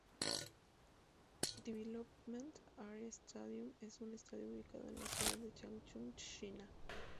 Development Area Stadium es un estadio ubicado en la ciudad de Changchun, China.